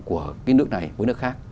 của nước này với nước khác